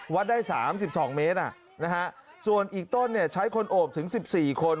วัดได้๓๒เมตรส่วนอีกต้นใช้คนโอบถึง๑๔คน